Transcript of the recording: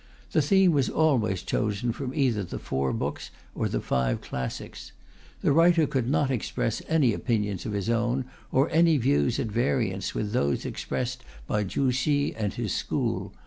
The theme was always chosen from either the Four Books, or the Five Classics. The writer could not express any opinion of his own, or any views at variance with those expressed by Chu Hsi and his school.